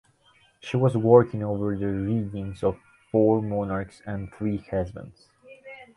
She was working over the reigns of four monarchs and three husbands.